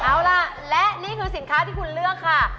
เอาล่ะและนี่คือสินค้าที่คุณเลือกค่ะ